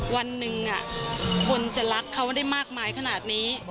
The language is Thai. วันหนึ่งคนจะรักเขาได้มากมายขนาดนี้